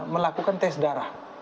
melakukan tes darah